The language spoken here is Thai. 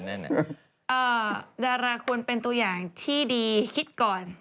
เหนือดาราตัวคลิปน้อยเป็นตัวอย่างที่ดีของคิดก่อน